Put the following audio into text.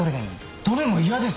「どれも嫌ですよ」